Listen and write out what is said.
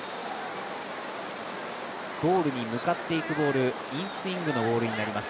ゴールに向かっていくボール、インスイングのボールになります。